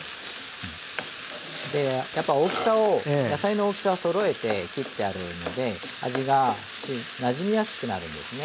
やっぱ大きさを野菜の大きさをそろえて切ってあるので味がなじみやすくなるんですね。